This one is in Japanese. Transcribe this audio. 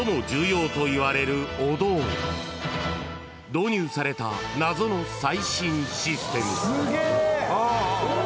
［導入された謎の最新システム］